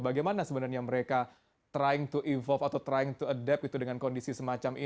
bagaimana sebenarnya mereka trying to evolve atau trying to adapt gitu dengan mereka